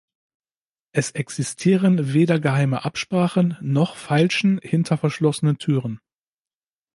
Es existieren weder geheime Absprachen noch Feilschen hinter verschlossenen Türen.